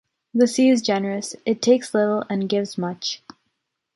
The sea is generous - it takes little and gives much.